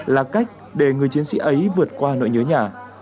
là cách để người chiến sĩ ấy vượt qua nỗi nhớ nhà